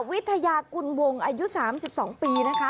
วิทยากุลวงอายุ๓๒ปีนะคะ